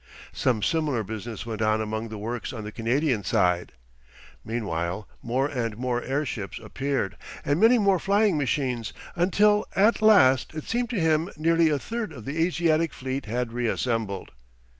Some similar business went on among the works on the Canadian side. Meanwhile more and more airships appeared, and many more flying machines, until at last it seemed to him nearly a third of the Asiatic fleet had re assembled.